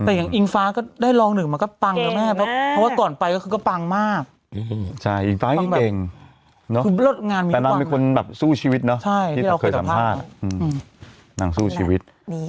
อิงฟ้าก็เก่งแต่นั้นเป็นคนสู้ชีวิตเนอะที่เราเคยสัมภาษณ์นางสู้ชีวิต